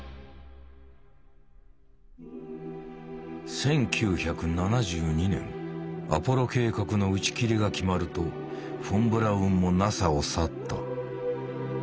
１９７２年アポロ計画の打ち切りが決まるとフォン・ブラウンもＮＡＳＡを去った。